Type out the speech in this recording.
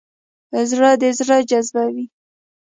زړه د زړه جذبوي.